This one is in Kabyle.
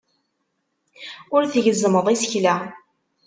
Ur tgezzmeḍ isekla.